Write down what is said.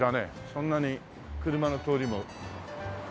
そんなに車の通りも。